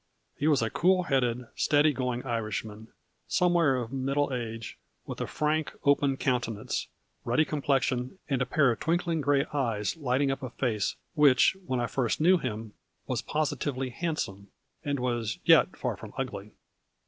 He was a cool headed, steady going Irishman, somewhere of middle age, with a frank, open countenance, ruddy complexion, and a pair of twinkling, gray eyes lighting up a face which, when I first knew him, was positively handsome, and was yet far from ugly.